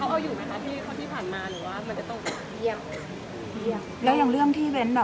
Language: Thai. ให้โอกาสเขาปลอดภัยว่าอย่างแรกแพทย์ก็แบบว่า